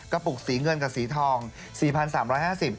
ปุกสีเงินกับสีทอง๔๓๕๐บาท